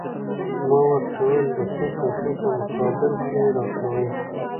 ما ورته وویل: د څو پیسو په مقابل کې يې راکوې؟